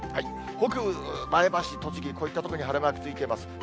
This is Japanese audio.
北部、前橋、栃木、こういった所に晴れマークついています。